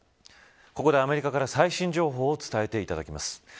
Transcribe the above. ここでアメリカから最新情報を伝えていただきます。